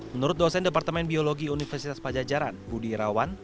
menurut dosen departemen biologi universitas pajajaran budi irawan